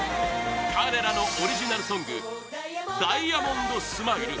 彼らのオリジナルソング「ダイヤモンドスマイル」